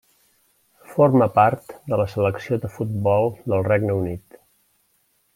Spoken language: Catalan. Forma part de la Selecció de futbol del Regne Unit.